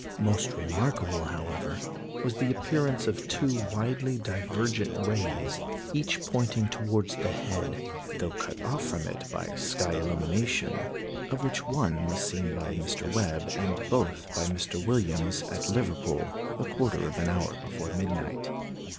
Most remarkable, however, was the appearance of two widely divergent rays, each pointing towards the head, though cut off from it by sky illumination, of which one was seen by Mr. Webb, and both by Mr. Williams at Liverpool, a quarter of an hour before midnight.